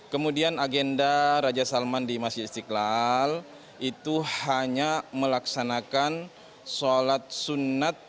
kemudian agenda raja salman di masjid istiqlal itu hanya melaksanakan sholat sunat